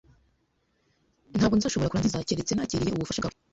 Ntabwo nzashobora kurangiza keretse nakiriye ubufasha bwawe.